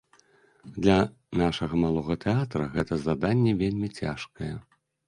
Для нашага малога тэатра гэта заданне вельмі цяжкае.